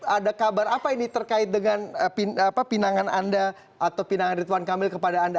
ada kabar apa ini terkait dengan pinangan anda atau pinangan ritwan kamil kepada anda